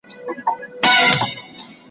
چي په خیال کي سوداګر د سمرقند وو `